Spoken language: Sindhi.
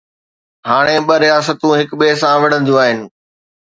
هاڻي ٻه رياستون هڪ ٻئي سان وڙهنديون آهن.